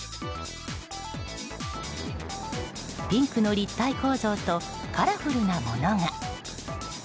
ピンクの立体構造とカラフルなものが。